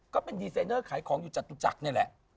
ก็เป็นดีไซเนอร์ขายของอยู่จตุจักรนี่แหละ